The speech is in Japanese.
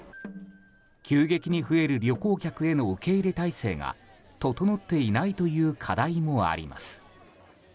急激に増える旅行客への受け入れ態勢が整っていないという課題もあります。